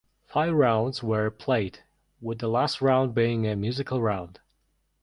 Five rounds were played, with the last round being a musical round.